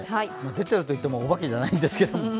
出てると言ってもおばけじゃないですけれども。